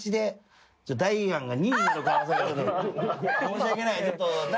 申し訳ない。